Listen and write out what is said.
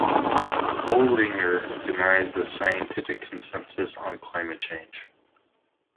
Boehringer denies the scientific consensus on climate change.